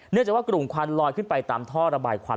จากว่ากลุ่มควันลอยขึ้นไปตามท่อระบายควัน